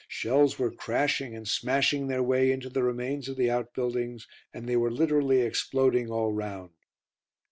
Shells were crashing and smashing their way into the remains of the outbuildings, and they were literally exploding all round.